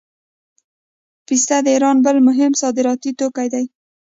پسته د ایران بل مهم صادراتي توکی دی.